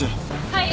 はい。